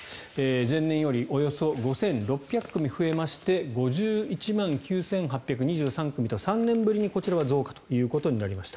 前年よりおよそ５６００組増えまして５１万９８２３組と３年ぶりにこちらは増加となりました。